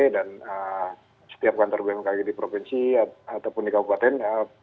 dan setiap kantor bmkg di provinsi ataupun di kabupaten